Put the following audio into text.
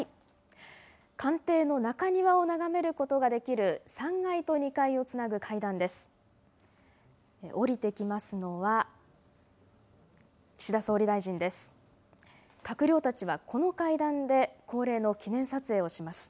官邸の中庭を眺めることができる３階と２階をつなぐ会談です。